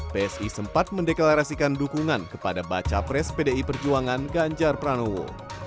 psi sempat mendeklarasikan dukungan kepada baca pres pdi perjuangan ganjar pranowo